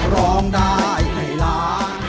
ร้องได้ไข่ล้าง